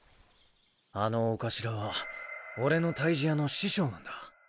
あのお頭はオレの退治屋の師匠なんだ。